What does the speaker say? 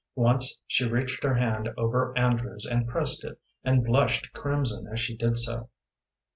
Once she reached her hand over Andrew's and pressed it, and blushed crimson as she did so.